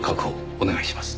お願いします。